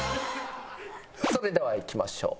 それではいきましょう。